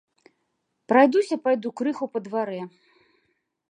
Прайдуся пайду крыху па дварэ.